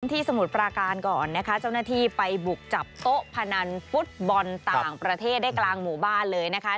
สมุทรปราการก่อนนะคะเจ้าหน้าที่ไปบุกจับโต๊ะพนันฟุตบอลต่างประเทศได้กลางหมู่บ้านเลยนะคะ